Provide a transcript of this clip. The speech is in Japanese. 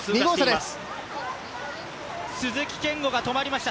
鈴木健吾が止まりました。